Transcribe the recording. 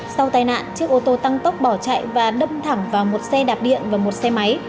sau tai nạn chiếc ô tô tăng tốc bỏ chạy và đâm thẳng vào một xe đạp điện và một xe máy